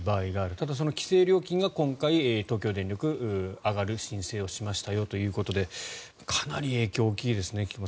ただその規制料金が今回、東京電力上がる申請をしましたよということでかなり影響が多いですね。